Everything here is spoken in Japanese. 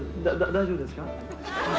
大丈夫ですか？